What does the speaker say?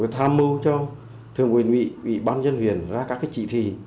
tham mưu cho thường quyền ủy ủy ban dân huyện ra các trị thị